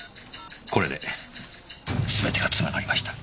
これで全てがつながりました。